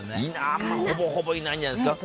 ほぼほぼいないんじゃないですか。